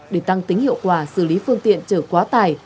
để tăng tính hiệu quả xử lý phương tiện chở quá tải